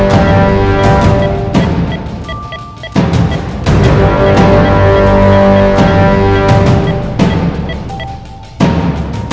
putri tolong jangan tinggalin aku putri